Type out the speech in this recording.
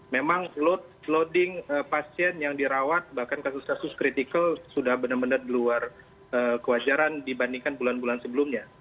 memang loading pasien yang dirawat bahkan kasus kasus kritikal sudah benar benar di luar kewajaran dibandingkan bulan bulan sebelumnya